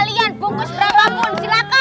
kik mbak mirna